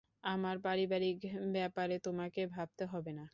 আমার পারিবারিক ব্যাপারে তোমাকে ভাবতে হবে না।